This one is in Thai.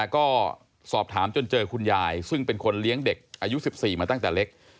ก็สอบถามจนเจอคุณยายซึ่งเป็นคนเลี้ยงเด็กอายุ๑๔มาตั้งแต่เล็ก